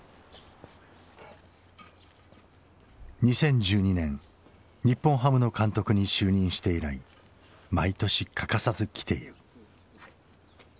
２０１２年日本ハムの監督に就任して以来毎年欠かさず来ている。